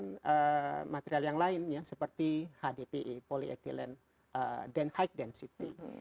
kita bisa menggunakan material yang lainnya seperti hdpe polyethylene dan high density